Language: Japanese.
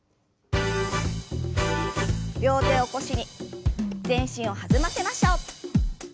両手を腰に全身を弾ませましょう。